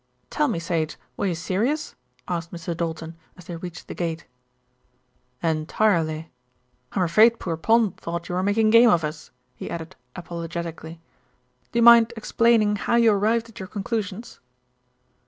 "Tell me, Sage, were you serious?" asked Mr. Doulton, as they reached the gate. "Entirely." "I'm afraid poor Pond thought you were making game of us," he added apologetically. "Do you mind explaining how you arrived at your conclusions?"